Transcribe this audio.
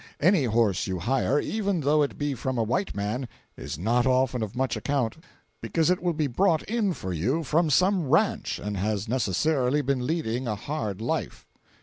Any horse you hire, even though it be from a white man, is not often of much account, because it will be brought in for you from some ranch, and has necessarily been leading a hard life.